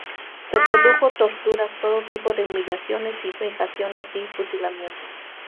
Se produjeron torturas, todo tipo de humillaciones y vejaciones, y fusilamientos.